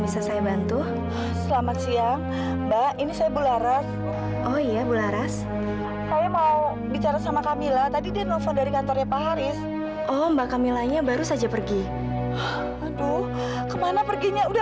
sampai jumpa di video selanjutnya